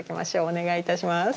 お願いいたします。